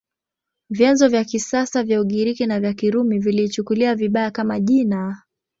Vyanzo vya kisasa vya Ugiriki na vya Kirumi viliichukulia vibaya, kama jina.